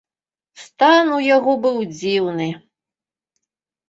Стан у яго быў дзіўны.